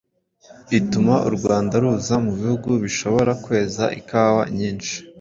ituma u Rwanda ruza mu bihugu bishobora kweza ikawa nyinshi?